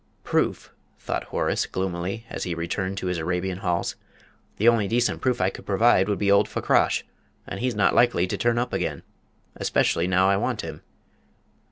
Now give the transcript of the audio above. "Proof!" thought Horace, gloomily, as he returned to his Arabian halls, "The only decent proof I could produce would be old Fakrash, and he's not likely to turn up again especially now I want him."